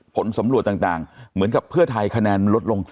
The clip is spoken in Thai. ผลสำรวจต่างเหมือนกับเพื่อไทยคะแนนลดลง